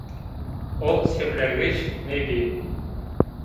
O sêwregij nêbî